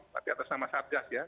tapi atas nama satgas ya